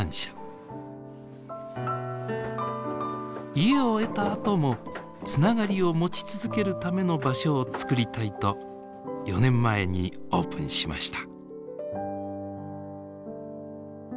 家を得たあともつながりを持ち続けるための場所をつくりたいと４年前にオープンしました。